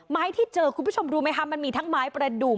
ที่เจอคุณผู้ชมรู้ไหมคะมันมีทั้งไม้ประดูก